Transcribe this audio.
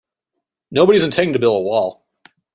Nobody's intending to build a wall.